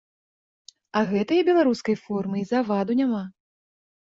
А гэтае беларускай формы і заваду няма.